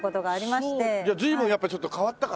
じゃあ随分やっぱちょっと変わったかな？